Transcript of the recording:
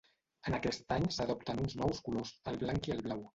En aquest any s'adopten uns nous colors, el blanc i el blau.